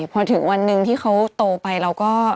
พอถึงวันหนึ่งที่เขาโตไปเราก็